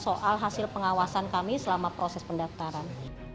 soal hasil pengawasan kami selama proses pendaftaran